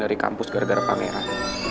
dari kampus gara gara pangeran